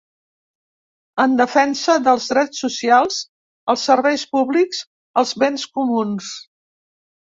En defensa dels drets socials, els serveis públics, els béns comuns.